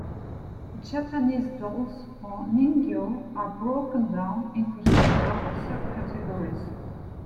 Japanese dolls or Ningyo are broken down into several subcategories.